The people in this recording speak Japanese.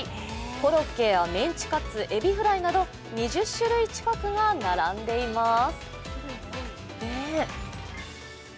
コロッケやメンチカツ、えびフライなど２０種類近くが並んでいます。